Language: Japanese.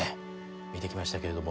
見てきましたけれども。